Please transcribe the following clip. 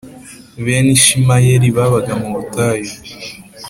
Bene Ishimayeli babaga mubutayu